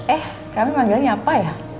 eh kami panggilnya apa ya